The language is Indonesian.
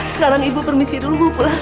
sekarang ibu permisi dulu bu pulang